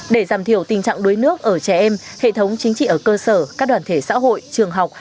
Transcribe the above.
để giảm thiểu tình trạng đuối nước ở trẻ em hệ thống chính trị ở cơ sở các đoàn thể xã hội trường học